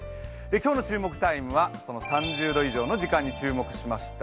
今日の注目タイムは３０度以上の時間に注目しました。